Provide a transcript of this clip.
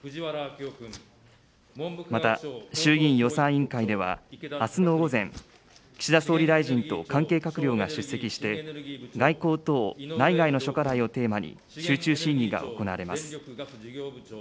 また、衆議院予算委員会では、あすの午前、岸田総理大臣と関係閣僚が出席して、外交等内外の諸課題をテーマに集中審議が行われます。